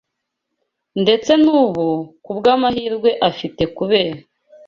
Ndetse n’ubu, kubw’amahirwe afite kubera